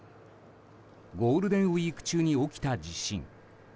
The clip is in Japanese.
ゴールデンウィーク中に起きた地震。